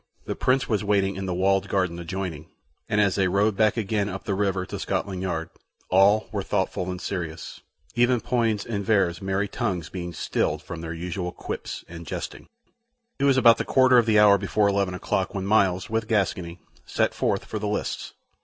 The Prince was waiting in the walled garden adjoining, and as they rowed back again up the river to Scotland Yard, all were thoughtful and serious, even Poins' and Vere's merry tongues being stilled from their usual quips and jesting. It was about the quarter of the hour before eleven o'clock when Myles, with Gascoyne, set forth for the lists.